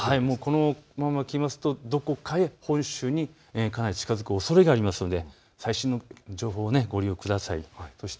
このまま来ますとどこか本州に近づくおそれがありますので最新の情報をご利用ください。